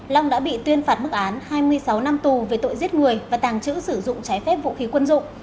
long đã bị tuyên phạt mức án hai mươi sáu năm tù về tội giết người và tàng trữ sử dụng trái phép vũ khí quân dụng